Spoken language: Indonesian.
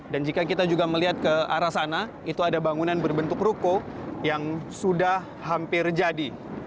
dan jika kita juga melihat ke arah sana itu ada bangunan berbentuk ruko yang sudah hampir jadi